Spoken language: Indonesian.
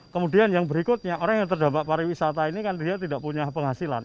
kemudian yang berikutnya orang yang terdampak pariwisata ini kan dia tidak punya penghasilan